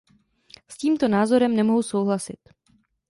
S tímto názorem nemohu souhlasit.